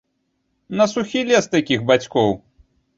На сухі лес такіх бацькоў.